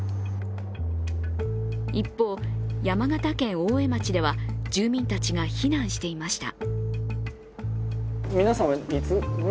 一方、山形県大江町では住民たちが避難していました。